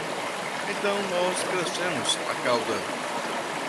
Então nós crescemos a cauda